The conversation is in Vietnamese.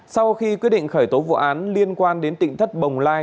sau khi quyết định khởi tố vụ án liên quan đến tỉnh thất bồng lai